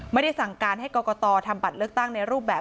ไม่ได้สั่งการให้กรกตทำบัตรเลือกตั้งในรูปแบบ